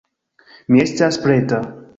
Mi estas preta